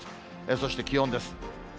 そして、気温です。